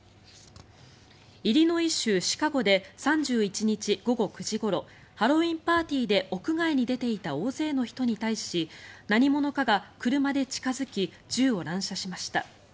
イリノイ州シカゴで３１日午後９時ごろハロウィーンパーティーで屋外に出ていた大勢の人に対し何者かが車で近付き銃を乱射しました。